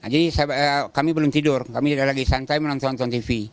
jadi kami belum tidur kami sudah lagi santai menonton tv